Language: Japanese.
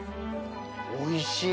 おいしい。